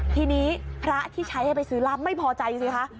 ทีนี้พระที่ใช้ให้ไปซื้อล่ำไม่พอใจสิคะ